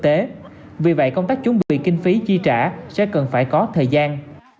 tế vì vậy công tác chuẩn bị kinh phí chi trả sẽ cần phải có thời gian